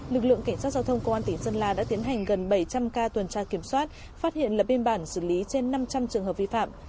lực lượng cảnh sát giao thông công an tỉnh sơn la đã tiến hành gần bảy trăm linh ca tuần tra kiểm soát phát hiện lập biên bản xử lý trên năm trăm linh trường hợp vi phạm